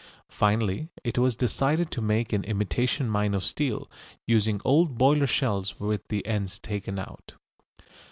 Finally it was decided to make an imitation mine of steel, using old boiler shells with the ends taken out.